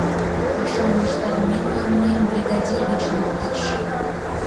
Пашам луштарымемлан мыйым бригадир гыч луктыч.